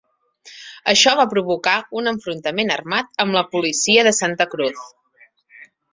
Això va provocar un enfrontament armat amb la policia de Santa Cruz.